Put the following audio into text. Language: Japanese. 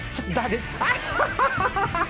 ハハハハ！